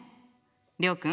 諒君